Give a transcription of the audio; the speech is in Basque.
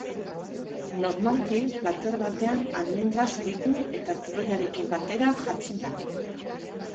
Normalki plater batean almendra zuritu eta turroiarekin batera jartzen da.